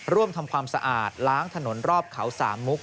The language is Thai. ร่วมทำความสะอาดล้างถนนรอบเขาสามมุก